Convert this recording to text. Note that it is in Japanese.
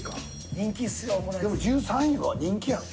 でも１３位は人気やろ。